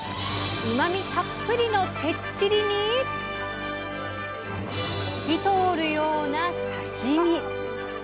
うまみたっぷりのてっちりに透き通るような刺身。